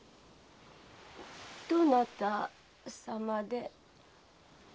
どなたさまで？